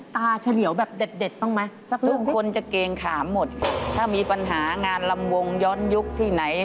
ถ้ามีปัญหางานลำวงย้อนยุคที่ไหน